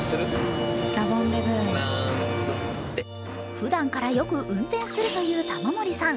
ふだんからよく運転するという玉森さん。